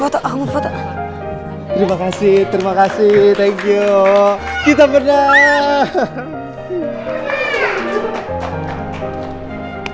terima kasih terima kasih thank you kita berdaya